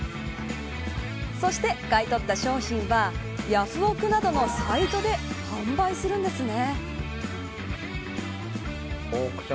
そして、買い取った商品はヤフオクなどのサイトで販売するんですね。